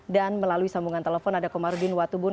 dan melalui sambungan telepon ada komarudin watubun